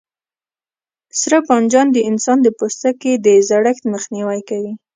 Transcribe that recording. سره بانجان د انسان د پوستکي د زړښت مخنیوی کوي.